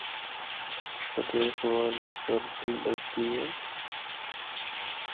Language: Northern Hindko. کدرے اے سوال کردی لگدی ہے۔